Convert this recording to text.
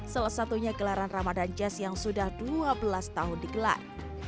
salah satunya gelaran ramadan jazz yang sudah dua belas tahun digelar